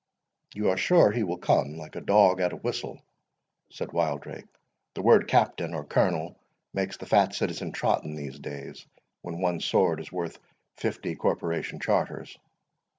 "You are sure he will come, like a dog at a whistle," said Wildrake. "The word captain, or colonel, makes the fat citizen trot in these days, when one sword is worth fifty corporation charters.